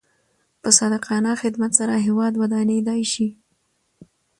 په صادقانه خدمت سره هیواد ودانېدای شي.